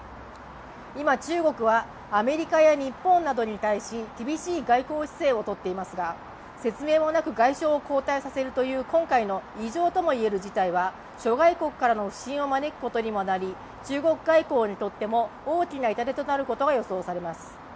今、中国はアメリカや中国などに対し厳しい外交姿勢を取っていますが説明もなく外相を交代させるという今回の異常ともいえる事態は諸外国からの不信を招くことにもなり中国外交にとっても大きな痛手となることが予想されます。